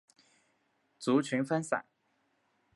族群分散。